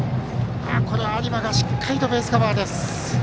有馬がしっかりとベースカバー。